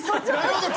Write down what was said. なるほど。